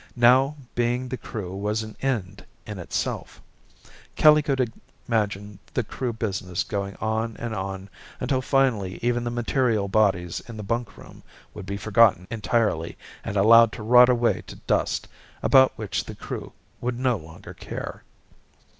Now being the Crew was an end in itself. Kelly could imagine the Crew business going on and on until finally even the material bodies in the bunkroom would be forgotten entirely and allowed to rot away to dust about which the Crew would no longer care.